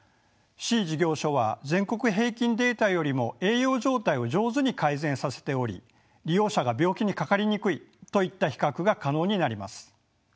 「Ｃ事業所は全国平均データよりも栄養状態を上手に改善させており利用者が病気にかかりにくい」といった比較が可能になります。